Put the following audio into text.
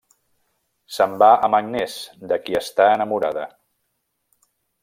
Se'n va amb Agnès de qui està enamorada.